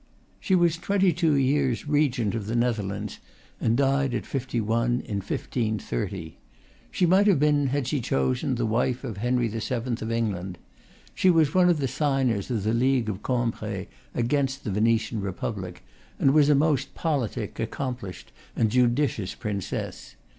She was twenty two years regent of the Nether lands, and died at fifty one, in 1530. She might have been, had she chosen, the wife, of Henry VII. of Eng land. She was one of the signers of the League of Cambray, against the Venetian republic, and was a most politic, accomplished, and judicious princess.